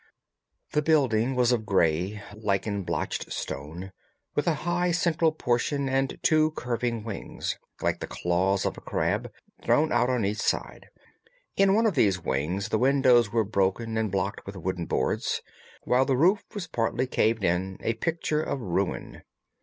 The building was of grey, lichen blotched stone, with a high central portion and two curving wings, like the claws of a crab, thrown out on each side. In one of these wings the windows were broken and blocked with wooden boards, while the roof was partly caved in, a picture of ruin.